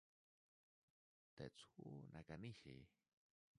Tetsuo Nakanishi